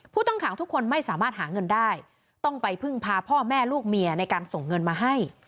ผู้ต้องขังทุกคนไม่สามารถหาเงินได้ต้องไปพึ่งพาพ่อแม่ลูกเมียในการส่งเงินมาให้